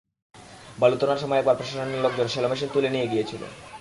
বালু তোলার সময় একবার প্রশাসনের লোকজন শ্যালো মেশিন তুলে নিয়ে গিয়েছিল।